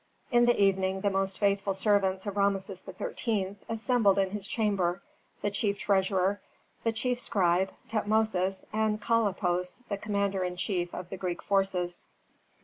In the evening the most faithful servants of Rameses XIII. assembled in his chamber: the chief treasurer, the chief scribe, Tutmosis, and Kalippos, the commander in chief of the Greek forces.